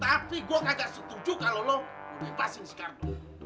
tapi gue kagak setuju kalo lo bebasin si kardun